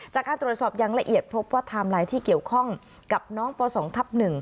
จากการตรวจสอบอย่างละเอียดพบว่าไทม์ไลน์ที่เกี่ยวข้องกับน้องป๒ทับ๑